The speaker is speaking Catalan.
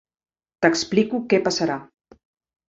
T'explico què passarà.